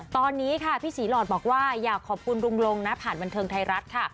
ตอนนี้ค่ะพี่ศรีหลอดบอกว่าอยากขอบคุณลุงลงนะผ่านบันเทิงไทยรัฐค่ะ